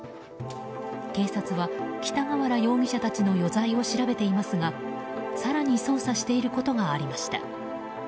警察は北河原容疑者たちの余罪を調べていますが更に捜査していることがありました。